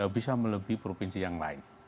bisa melebihi provinsi yang lain